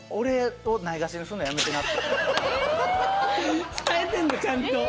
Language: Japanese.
嫁に伝えてんのちゃんと？